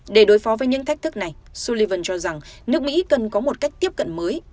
để đối phó với những thách thức này sullivan cho rằng nước mỹ cần có một cách tiếp cận mới